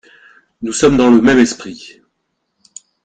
Nous sommes dans le même esprit.